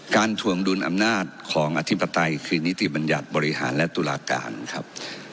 ถวงดุลอำนาจของอธิปไตยคือนิติบัญญัติบริหารและตุลาการครับ